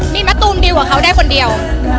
มีมะตูมดีกว่าเขาได้คนเดียว